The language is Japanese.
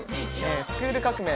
『スクール革命！』